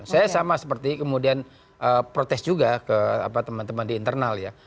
saya sama seperti kemudian protes juga ke teman teman di internal ya